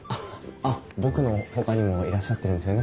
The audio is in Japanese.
あっ僕のほかにもいらっしゃってるんですよね